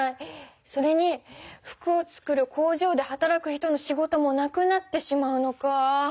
それに服を作る工場ではたらく人の仕事もなくなってしまうのか。